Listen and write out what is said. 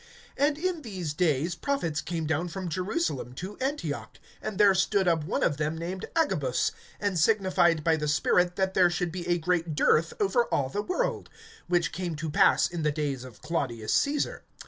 (27)And in these days prophets came down from Jerusalem to Antioch. (28)And there stood up one of them named Agabus, and signified by the Spirit that there should be a great dearth over all the world; which came to pass in the days of Claudius Caesar.